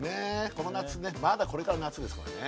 この夏ねまだこれから夏ですからね